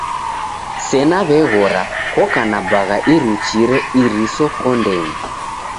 Sena w'eghora koka na bagha iruchire iriso kondenyi.